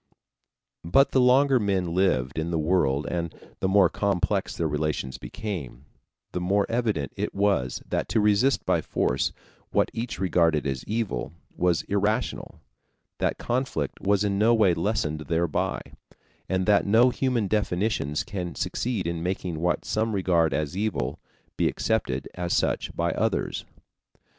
But the longer men lived in the world and the more complex their relations became, the more evident it was that to resist by force what each regarded as evil was irrational, that conflict was in no way lessened thereby, and that no human definitions can succeed in making what some regard as evil be accepted as such by others.